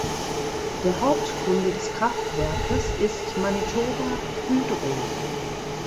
Der Hauptkunde des Kraftwerkes ist Manitoba Hydro.